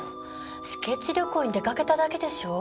スケッチ旅行に出掛けただけでしょ。